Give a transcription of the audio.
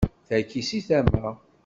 Tagi si tama.